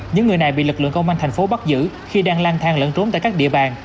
những người này bị lực lượng công an thành phố bắt giữ khi đang lang thang lẫn trốn tại các địa bàn